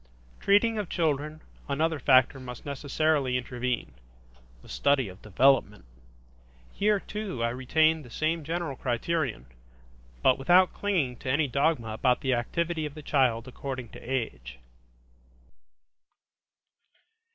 Treating of children, another factor must necessarily intervene: the study of development. Here too, I retained the same general criterion, but without clinging to any dogma about the activity of the child according to age.